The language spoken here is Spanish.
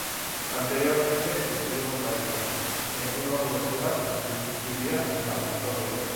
Anteriormente estudió contabilidad en una universidad y vivía en la Victoria.